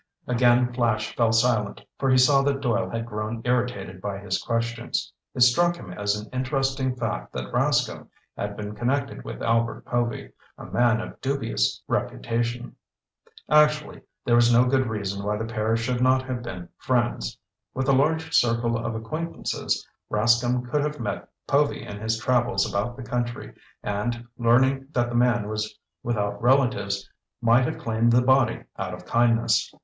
Again Flash fell silent, for he saw that Doyle had grown irritated by his questions. It struck him as an interesting fact that Rascomb had been connected with Albert Povy, a man of dubious reputation. Actually there was no good reason why the pair should not have been friends. With a large circle of acquaintances, Rascomb could have met Povy in his travels about the country and, learning that the man was without relatives, might have claimed the body out of kindness.